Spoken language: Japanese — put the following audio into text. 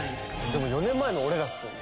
でも４年前の俺らですよ？